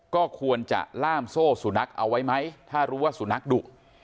ก็ควรจะล่ามโซ่สุนัขเอาไว้ไหมถ้ารู้ว่าสุนัขดุ